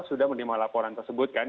sudah menerima laporan tersebut kan